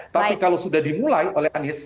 tapi kalau sudah dimulai oleh anies